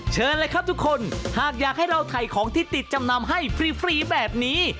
เชิญเลยครับทุกคนหากอยากให้เราถ่ายของที่ติดจำนำให้ฟรีแบบนี้